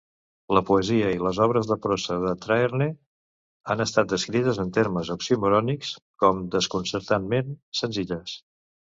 La poesia i les obres de prosa de Traherne han estat descrites en termes oximorònics com desconcertantment senzilles.